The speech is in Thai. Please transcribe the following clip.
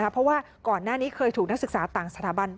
เพราะว่าก่อนหน้านี้เคยถูกนักศึกษาต่างสถาบัน